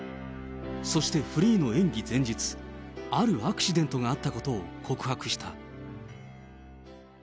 そしてフリーの演技前日、あるアクシデントがあったことを告白した。